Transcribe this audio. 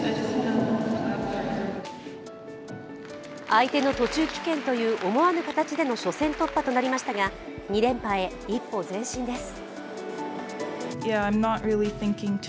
相手の途中棄権という思わぬ形での初戦突破となりましたが２連覇へ一歩前進です。